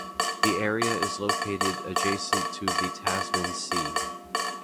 The area is located adjacent to the "Tasman Sea".